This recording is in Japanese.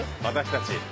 私たち。